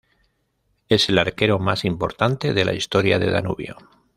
Es el arquero más importante de la historia de Danubio.